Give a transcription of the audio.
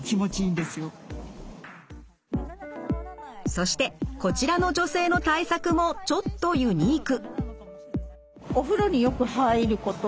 そしてこちらの女性の対策もちょっとユニーク。